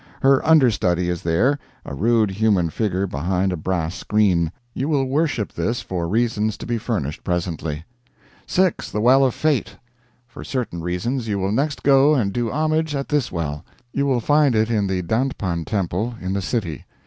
Her under study is there a rude human figure behind a brass screen. You will worship this for reasons to be furnished presently. 6. The Well of Fate. For certain reasons you will next go and do homage at this well. You will find it in the Dandpan Temple, in the city.